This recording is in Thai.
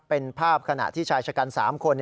เป็นภาพขณะที่ชายชะกัน๓คน